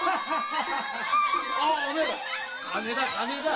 お前ら金だ金だ！